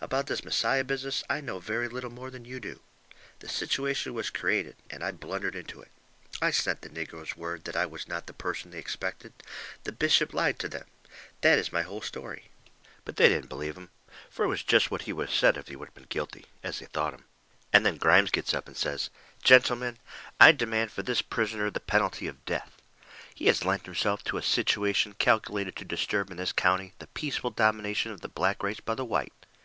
About this Messiah business I know very little more than you do. The situation was created, and I blundered into it. I sent the negroes word that I was not the person they expected. The bishop lied to them. That is my whole story." But they didn't believe him. Fur it was jest what he would of said if he had been guilty, as they thought him. And then Grimes gets up and says: "Gentlemen, I demand for this prisoner the penalty of death. "He has lent himself to a situation calculated to disturb in this county the peaceful domination of the black race by the white.